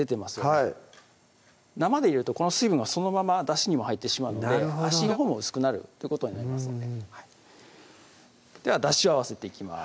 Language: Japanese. はい生で入れるとこの水分がそのままだしにも入ってしまうんで味のほうも薄くなるということになりますのでではだしを合わせていきます